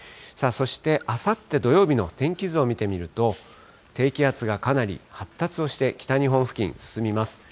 そしてあさって土曜日の天気図を見てみると、低気圧がかなり発達をして、北日本付近進みます。